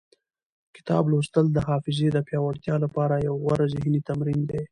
کتاب لوستل د حافظې د پیاوړتیا لپاره یو غوره ذهني تمرین دی.